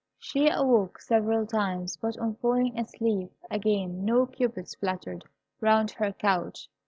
She awoke several times, but on falling asleep again no cupids fluttered round her couch.